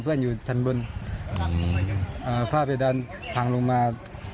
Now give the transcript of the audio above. เพื่อนอยู่ทางบนอืออ่าฝ้าเพดานผังลงมา